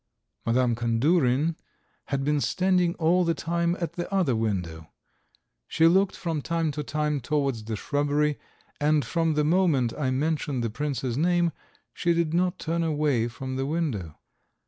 Madame Kandurin had been standing all the time at the other window. She looked from time to time towards the shrubbery, and from the moment I mentioned the prince's name she did not turn away from the window.